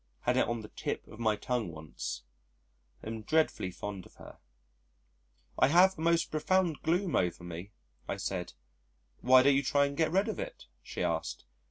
Had it on the tip of my tongue once. I am dreadfully fond of her. "I have a most profound gloom over me," I said. "Why don't you try and get rid of it?" she asked.